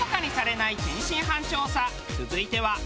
続いては。